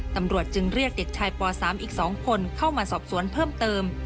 ตำรวจจึงเรียกเด็กชายป๓อีก๒คนเข้ามาสอบสวนเพิ่มเติม